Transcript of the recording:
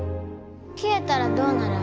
きえたらどうなるん？